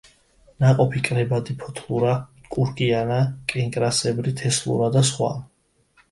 ნაყოფი კრებადი ფოთლურა, კურკიანა, კენკრასებრი, თესლურა და სხვა.